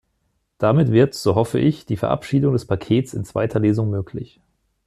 Damit wird, so hoffe ich, die Verabschiedung des Pakets in zweiter Lesung möglich.